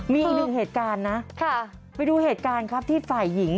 มีอีกหนึ่งเหตุการณ์นะไปดูเหตุการณ์ครับที่ฝ่ายหญิง